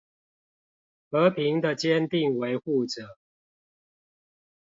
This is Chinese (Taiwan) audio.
和平的堅定維護者